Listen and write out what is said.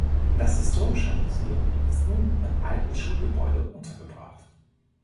Das historische Museum ist nun im alten Schulgebäude untergebracht.